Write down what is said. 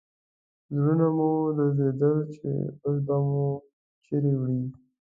زړونه مو درزېدل چې اوس به مو چیرې وړي.